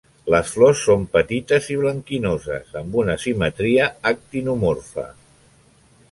Les flors són petites i blanquinoses amb una simetria actinomorfa.